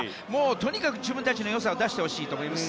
とにかく自分たちの良さを出してほしいと思います。